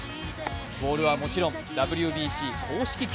ボールはもちろんＷＢＣ公式球。